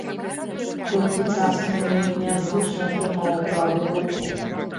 Толькі часам неяк нязвычна трымаў правую руку.